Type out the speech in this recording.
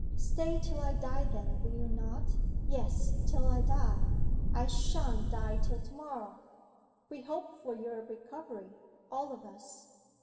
'Stay till I die then, will you not? Yes, till I die I shan't die till to morrow.' 'We hope for your recovery all of us.